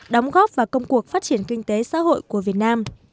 đóng góp vào công cuộc phát triển kinh tế xã hội của việt nam